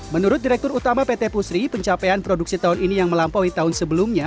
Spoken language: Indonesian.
menurut direktur utama pt pusri pencapaian produksi tahun ini yang melampaui tahun sebelumnya